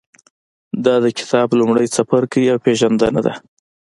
دا د کتاب لومړی څپرکی او پېژندنه ده.